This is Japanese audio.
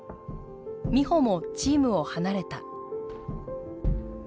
美帆もチームを離れた。